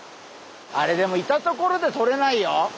あれでもいたところでとれないよ。